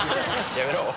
やめろ！